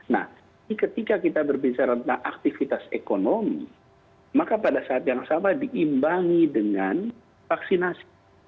nah ketika kita berbicara tentang aktivitas ekonomi maka pada saat yang sama diimbangi dengan vaksinasi